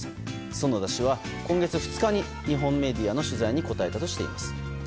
園田氏は、今月２日に日本メディアの取材に答えたとしています。